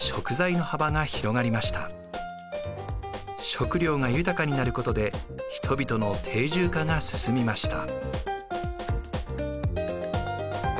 食料が豊かになることで人々の定住化が進みました。